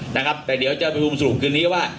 โดยเดี๋ยวจะไปทำคุมสรุปคืนนี้ว่า